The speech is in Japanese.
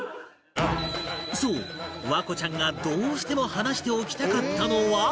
そう環子ちゃんがどうしても話しておきたかったのは